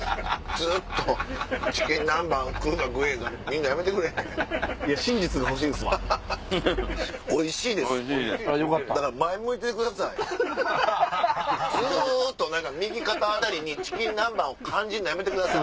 ずっと右肩辺りにチキン南蛮を感じるのやめてください。